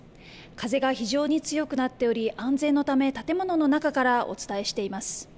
風が非常に強くなっており安全のため建物の中からお伝えしています。